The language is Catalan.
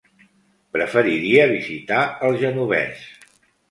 Preferiria visitar el Genovés.